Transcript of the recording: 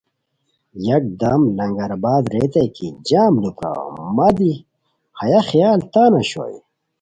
یکدم لنگر آباد ریتائے جم لو پراؤ مہ دی ہیہ خیال تان اوشوئے